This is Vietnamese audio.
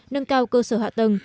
nâng cao cơ sở hạ tầng